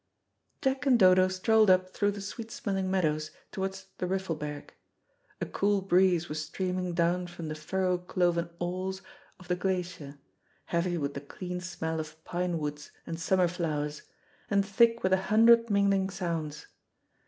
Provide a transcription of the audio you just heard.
Jack and Dodo strolled up through the sweet smelling meadows towards the Riffelberg. A cool breeze was streaming down from the "furrow cloven alls" of the glacier, heavy with the clean smell of pine woods and summer flowers, and thick with a hundred mingling sounds.